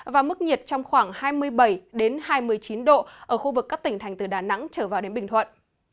và mức nhiệt trong khoảng hai mươi bảy hai mươi chín độ ở khu vực các tỉnh thành từ đà nẵng trở vào đến bình thuận